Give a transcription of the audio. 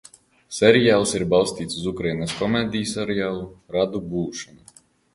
"Seriāls ir balstīts uz Ukrainas komēdijseriālu "Radu būšana"."